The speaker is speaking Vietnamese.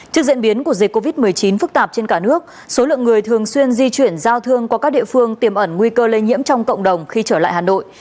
trước diễn biến của dịch covid một mươi chín phức tạp trên cả nước số lượng người thường xuyên di chuyển giao thương qua các địa phương tiềm ẩn nguy cơ lây nhiễm trong cộng đồng khi trở lại hà nội